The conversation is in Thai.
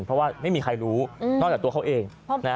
เพราะว่าไม่มีใครรู้นอกจากตัวเขาเอง